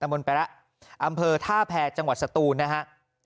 อำเภอท่าแพทย์จังหวัดสตูนนะฮะ